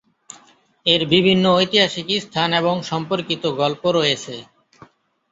এর বিভিন্ন ঐতিহাসিক স্থান এবং সম্পর্কিত গল্প রয়েছে।